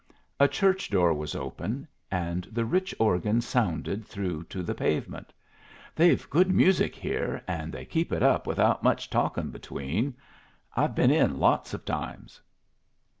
A church door was open, and the rich organ sounded through to the pavement. "They've good music here, an' they keep it up without much talking between. I've been in lots of times."